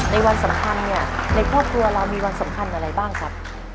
ในวันสำคัญเนี่ยในครอบครัวเรามีวันสำคัญอะไรบ้างครับ